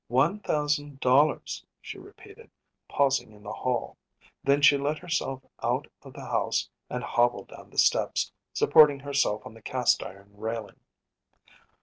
“One thousand dollars,‚ÄĚ she repeated, pausing in the hall; then she let herself out of the house and hobbled down the steps, supporting herself on the cast iron railing.